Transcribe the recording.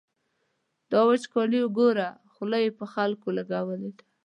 دا وچکالي ګوره، خوله یې پر خلکو لګولې ده.